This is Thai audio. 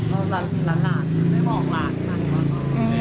แล้วหลับไปที่หลานหลานไม่ได้บอกหลานค่ะ